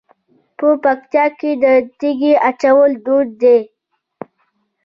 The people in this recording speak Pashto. په پکتیا کې د تیږې اچول دود دی.